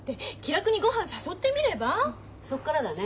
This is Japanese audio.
そこからだね。